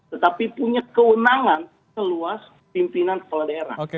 tetapi punya kewenangan seluas pimpinan kepala daerah